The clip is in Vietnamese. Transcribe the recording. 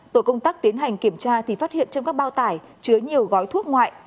tổ công tác tiến hành kiểm tra thì phát hiện trong các bao tải chứa nhiều gói thuốc ngoại